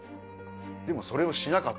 でもそれをしなかった。